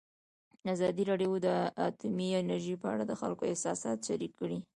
ازادي راډیو د اټومي انرژي په اړه د خلکو احساسات شریک کړي.